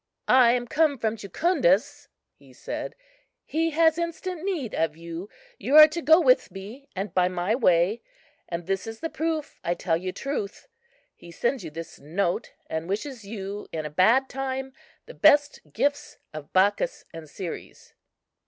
"I am come from Jucundus," he said; "he has instant need of you. You are to go with me, and by my way; and this is the proof I tell you truth. He sends you this note, and wishes you in a bad time the best gifts of Bacchus and Ceres."